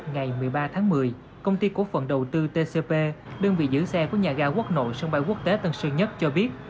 ngày một mươi ba tháng một mươi công ty cổ phần đầu tư tcp đơn vị giữ xe của nhà ga quốc nội sân bay quốc tế tân sơn nhất cho biết